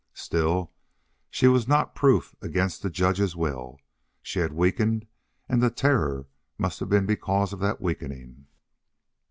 Still she was not proof against the judge's will. She had weakened, and the terror must have been because of that weakening.